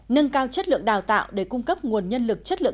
nâng cao chất lượng đào tạo để cung cấp nguồn nhân lực chất lượng